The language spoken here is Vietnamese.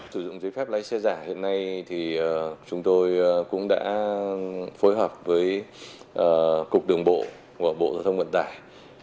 sử dụng giấy phép lái xe giả hiện nay thì chúng tôi cũng đã phối hợp với cục đường bộ của bộ giao thông vận tải